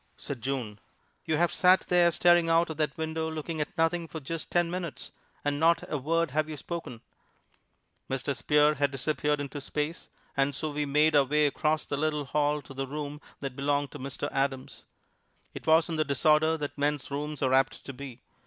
said June; "you have sat there staring out of that window looking at nothing for just ten minutes, and not a word have you spoken!" Mr. Spear had disappeared into space, and so we made our way across the little hall to the room that belonged to Mr. Adams. It was in the disorder that men's rooms are apt to be.